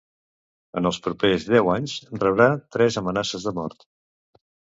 En els propers deu anys, rebrà tres amenaces de mort.